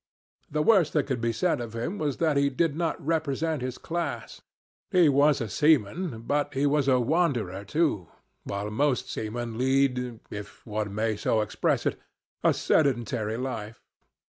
The worst that could be said of him was that he did not represent his class. He was a seaman, but he was a wanderer, too, while most seamen lead, if one may so express it, a sedentary life.